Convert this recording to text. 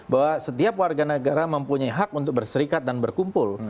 bahwa setiap warga negara mempunyai hak untuk berserikat dan berkumpul